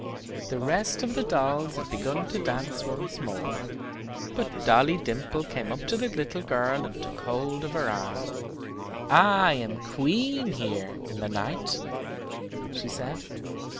The rest of the dolls had begun to dance once more, but Dolly Dimple came up to the little girl and took hold of her arm. "I am queen here in the night," she said.